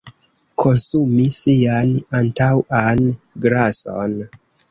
Konsumi sian antaŭan grason.